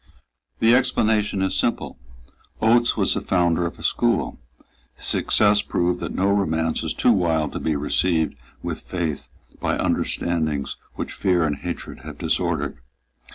The explanation is simple. Oates was the founder of a school. His success proved that no romance is too wild to be received with faith by understandings which fear and hatred have disordered.